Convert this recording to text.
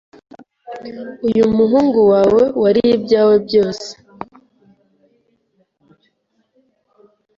uyu muhungu wawe wariye ibyawe byose